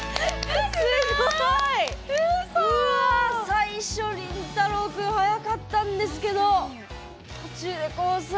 最初リンタロウ君速かったんですけど途中でコース